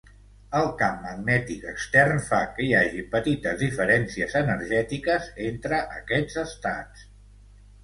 El camp magnètic extern fa que hi hagi petites diferències energètiques entre aquests estats.